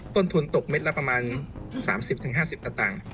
ต้นทุนตกเม็ดละประมาณ๓๐๕๐สตางค์